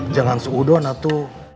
jangan seudon atau